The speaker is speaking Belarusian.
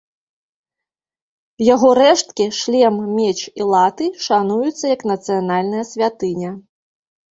Яго рэшткі, шлем, меч і латы шануюцца як нацыянальная святыня.